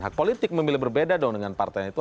hak politik memilih berbeda dengan partai yang itu